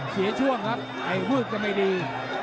เสียช่วงครับไอ้ฟลึศะไม่ดี